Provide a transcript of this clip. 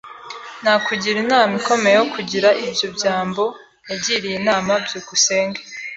Nakugira inama ikomeye yo gukora ibyo byambo yagiriye inama. byukusenge